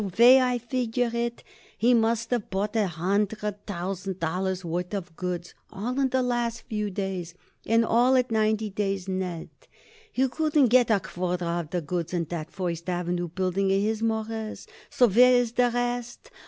The way I figure it, he must of bought a hundred thousand dollars' worth of goods, all in the last few days, and all at ninety days net. He couldn't get a quarter of the goods in that First Avenue building of his, Mawruss, so where is the rest?